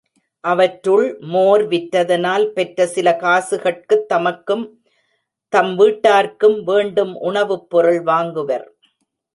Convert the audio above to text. அவற்றுள், மோர் விற்றதனால் பெற்ற சில காசுகட்குத் தமக்கும், தம் வீட்டார்க்கும் வேண்டும் உணவுப் பொருள் வாங்குவர்.